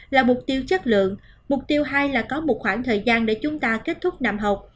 là mục tiêu chất lượng mục tiêu hai là có một khoảng thời gian để chúng ta kết thúc năm học